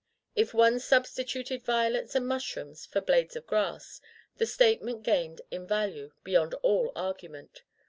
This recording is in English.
If one substituted violets and mushrooms for blades of grass, the statement gained in value beyond all argument.